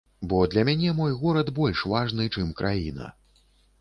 Бо для мяне мой горад больш важны, чым краіна.